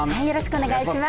お願いします。